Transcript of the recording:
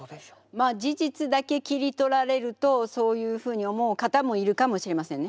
まあ事実だけ切り取られるとそういうふうに思う方もいるかもしれませんね。